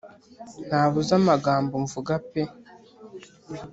ntabuze amagambo mvuga pe